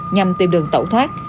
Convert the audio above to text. nhằm tìm đường tẩu thoát